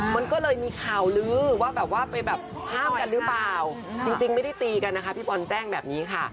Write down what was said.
มันก็เลยมีข่าวลื้อว่าแบบว่าไปแบบห้ามกันหรือเปล่าจริงไม่ได้ตีกันนะคะพี่บอลแจ้งแบบนี้ค่ะ